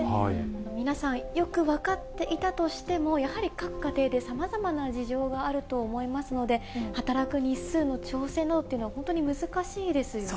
皆さん、よく分かっていたとしても、やはり各家庭でさまざまな事情があると思いますので、働く日数の調整などというのは本当に難しいですよね。